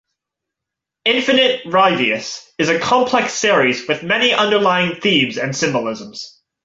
"Infinite Ryvius" is a complex series with many underlying themes and symbolisms.